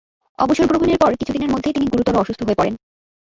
অবসর গ্রহণের পর কিছুদিনের মধ্যেই তিনি গুরুতর অসুস্থ হয়ে পড়েন।